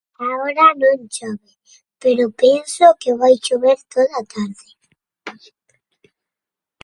Ahora non chove, pero penso que vai chover toda a tarde.